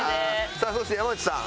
さあそして山内さん。